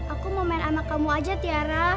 aku mau main anak kamu aja tiara